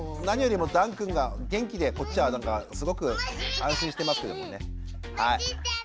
何よりもダンくんが元気でこっちはなんかすごく安心してますけどもね。